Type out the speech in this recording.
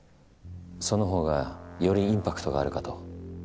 そのほうがよりインパクトがあるかと。